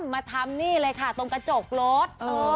มาทำนี่เลยค่ะตรงกระจกรถ